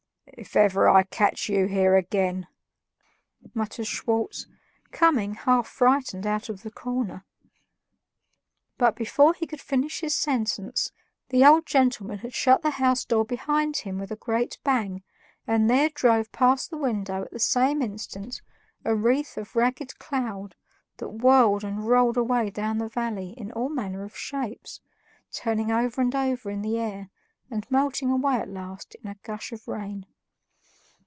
"If ever I catch you here again," muttered Schwartz, coming, half frightened, out of the corner but before he could finish his sentence the old gentleman had shut the house door behind him with a great bang, and there drove past the window at the same instant a wreath of ragged cloud that whirled and rolled away down the valley in all manner of shapes, turning over and over in the air and melting away at last in a gush of rain.